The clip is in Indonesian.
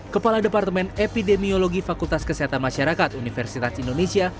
kepala departemen epidemiologi fakultas kesehatan masyarakat universitas indonesia